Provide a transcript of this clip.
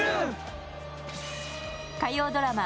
火曜ドラマ